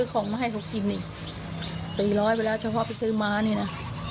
ของมาให้เขากินนี่๔๐๐ไปแล้วเฉพาะไปซื้อม้านี่นะ